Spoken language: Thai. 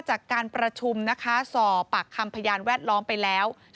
จากการประชุมนะคะสอบปากคำพยานแวดล้อมไปแล้ว